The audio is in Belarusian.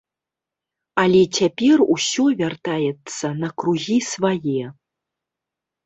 Але цяпер усё вяртаецца на кругі свае.